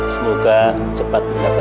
semoga cepat mendapatkan anugerah